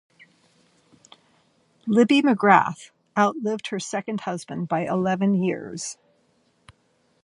Libby McGrath outlived her second husband by eleven years.